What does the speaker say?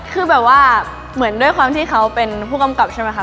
คือแบบว่าเหมือนด้วยความที่เขาเป็นผู้กำกับใช่ไหมคะ